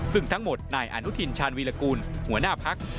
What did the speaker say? ซึ่งทั้งหมดนายอนุทินชาญวีรกูลหัวหน้าพัก